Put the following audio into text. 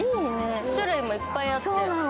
種類もいっぱいあって。